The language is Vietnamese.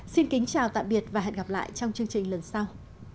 xin kính chào tạm biệt và hẹn gặp lại trong chương trình lần sau